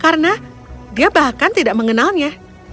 karena dia bahkan tidak mengenalnya